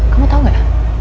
kamu tau gak